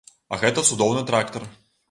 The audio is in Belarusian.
А гэта цудоўны трактар.